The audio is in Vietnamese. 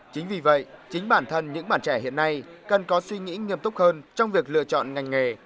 chính vì vậy chính bản thân những bạn trẻ hiện nay cần có suy nghĩ nghiêm túc hơn trong việc lựa chọn ngành nghề